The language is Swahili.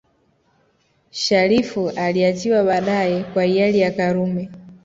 Shariff aliachiwa baadae kwa hiari ya Karume